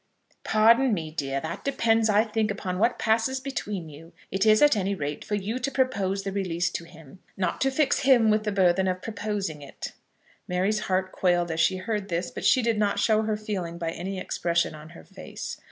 "Pardon me, dear. That depends, I think, upon what passes between you. It is at any rate for you to propose the release to him, not to fix him with the burthen of proposing it." Mary's heart quailed as she heard this, but she did not show her feeling by any expression on her face.